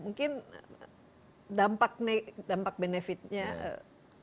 mungkin dampak benefitnya yang positifnya tentu